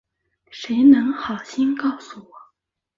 谁能好心告诉我